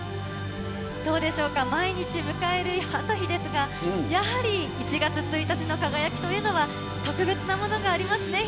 どうでしょうか、毎日迎える朝日ですが、やはり１月１日の輝きというのは特別なものがありますね。